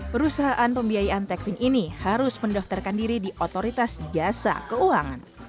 perusahaan pembiayaan tekvin ini harus mendaftarkan diri di otoritas jasa keuangan